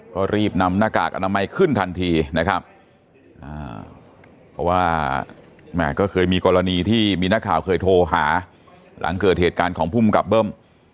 ก็รีบนำหน้ากากอนามัยขึ้นทันทีนะครับเพราะว่าแม่ก็เคยมีกรณีที่มีนักข่าวเคยโทรหาหลังเกิดเหตุการณ์ของภูมิกับเบิ้ม